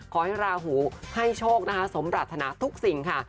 ขอให้ราหูให้โชคนะคะสมปรารถนาทุกสิ่งค่ะ